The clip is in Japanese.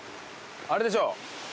あれでしょ。